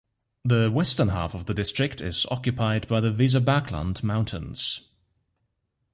The western half of the district is occupied by the Weserbergland mountains.